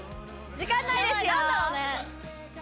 時間ないですよ！